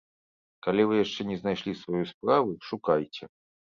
Калі вы яшчэ не знайшлі сваёй справы, шукайце.